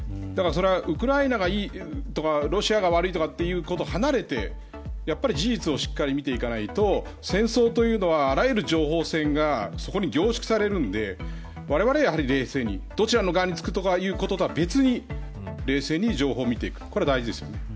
ウクライナがいいとかロシアが悪いとかということを離れてやっぱり事実をしっかり見ていかないと、戦争というのはあらゆる情報戦がそこに凝縮されるのでわれわれは、やはり冷静にどちらの側につくということとは別に冷静に情報を見ていく、これは大事ですよね。